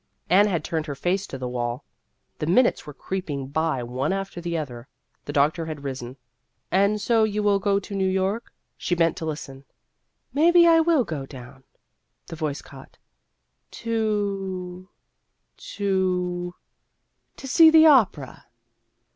Anne had turned her face to the wall. The minutes went creeping by one after the other. The doctor had risen. " And so you will go to New York ?" She bent to listen. " Maybe I will go down" the voice caught "to to to see the opera."